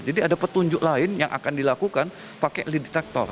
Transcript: jadi ada petunjuk lain yang akan dilakukan pakai lie detector